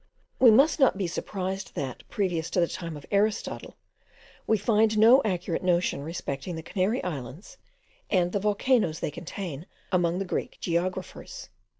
We must not be surprised that, previous to the time of Aristotle, we find no accurate notion respecting the Canary Islands and the volcanoes they contain, among the Greek geographers.